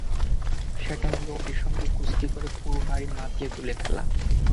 সেটা হলো অগির সঙ্গে কুস্তি করে পুরো বাড়ি মাথায় তুলে ফেলা।